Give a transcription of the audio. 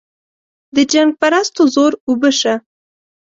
د جنګ پرستو زور اوبه شه.